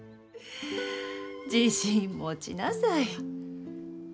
自信持ちなさい。